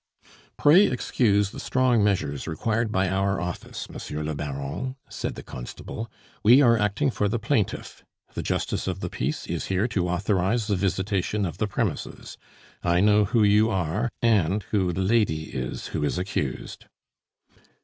"Pray excuse the strong measures required by our office, Monsieur le Baron!" said the constable; "we are acting for the plaintiff. The Justice of the Peace is here to authorize the visitation of the premises. I know who you are, and who the lady is who is accused."